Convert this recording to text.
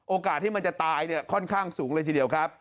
โอกาสที่มันจะตายค่อนข้างสูงเลยทีเดียวครับ